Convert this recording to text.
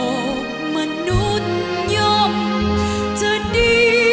ยอมอาสันก็พระปองเทศพองไทย